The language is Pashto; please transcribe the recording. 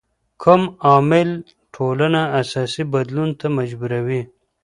کوم عامل ټولنه اساسي بدلون ته مجبوروي؟